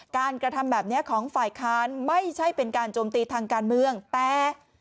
การกระทำแบบนี้ของฝ่ายค้านไม่ใช่เป็นการโจมตีทางการเมืองแต่